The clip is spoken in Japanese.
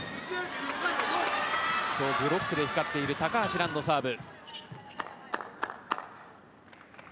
今日、ブロックで光っている高橋藍のサーブ。